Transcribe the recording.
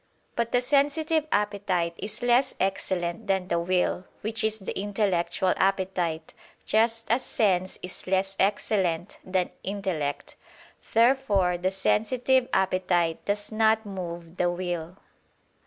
But the sensitive appetite is less excellent than the will which is the intellectual appetite; just as sense is less excellent than intellect. Therefore the sensitive appetite does not move the will.